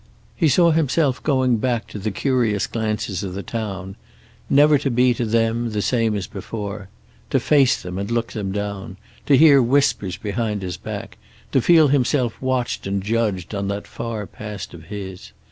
He saw himself going back to the curious glances of the town, never to be to them the same as before. To face them and look them down, to hear whispers behind his back, to feel himself watched and judged, on that far past of his.